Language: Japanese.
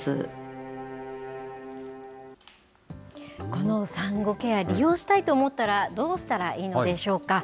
この産後ケア、利用したいと思ったら、どうしたらいいのでしょうか。